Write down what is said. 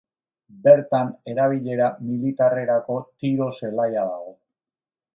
Bertan erabilera militarrerako tiro zelaia dago.